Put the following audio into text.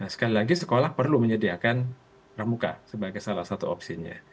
sekali lagi sekolah perlu menyediakan pramuka sebagai salah satu opsinya